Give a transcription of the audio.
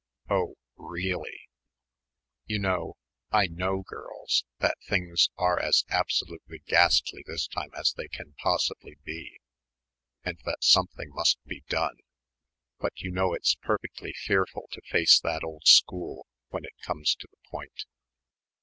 "Oh reely." "You know, I know girls, that things are as absolutely ghastly this time as they can possibly be and that something must be done.... But you know it's perfectly fearful to face that old school when it comes to the point."